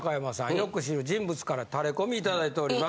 よく知る人物からタレコミいただいております。